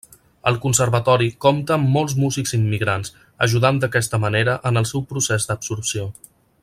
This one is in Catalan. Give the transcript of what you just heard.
El conservatori compta amb molts músics immigrants, ajudant d'aquesta manera en el seu procés d'absorció.